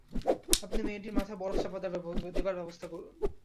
আপনি মেয়েটির মাথায় বরফ চাপা দেবার ব্যবস্থা করুন।